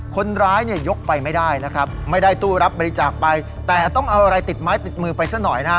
คนร้ายเนี่ยยกไปไม่ได้นะครับไม่ได้ตู้รับบริจาคไปแต่ต้องเอาอะไรติดไม้ติดมือไปซะหน่อยนะฮะ